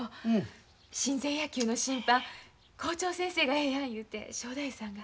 親善野球の審判校長先生がええやいうて正太夫さんが。